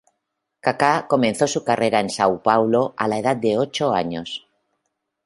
Kaká comenzó su carrera en São Paulo a la edad de ocho años.